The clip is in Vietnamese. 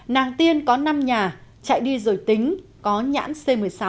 nàng tiên có năm nhà chạy đi rồi tính có nhãn c một mươi sáu